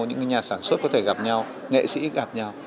những nhà sản xuất có thể gặp nhau nghệ sĩ gặp nhau